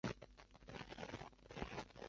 中麝鼩为鼩鼱科麝鼩属的动物。